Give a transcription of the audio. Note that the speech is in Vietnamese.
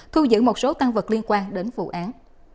thu giữ một số tăng vật liên quan đến vụ án